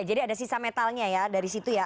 jadi ada sisa metalnya ya dari situ ya